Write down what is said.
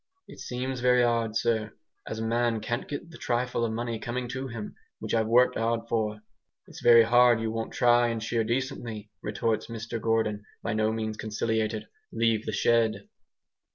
"It seems very 'ard, sir, as a man can't get the trifle of money coming to him, which I've worked 'ard for." "It's very hard you won't try and shear decently," retorts Mr Gordon, by no means conciliated. "Leave the shed!"